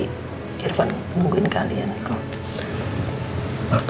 irfan nungguin kalian kok